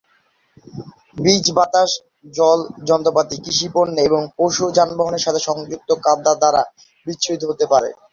বীজ বাতাস, জল, যন্ত্রপাতি, কৃষি পণ্যে, এবং পশু ও যানবাহনের সাথে সংযুক্ত কাদা দ্বারা বিচ্ছুরিত হতে পারে।